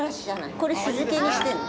これ酢漬けにしてるの？